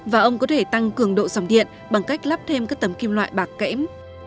và ông có thể tăng cường độ dòng điện bằng cách lắp thêm các tấm kim loại bạc kẽm